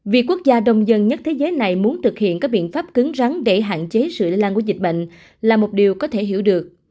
việc quốc gia đông dân nhất thế giới này muốn thực hiện các biện pháp cứng rắn để hạn chế sự lây lan của dịch bệnh là một điều có thể hiểu được